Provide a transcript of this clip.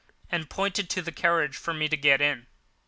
and pointed to the carriage for me to get in.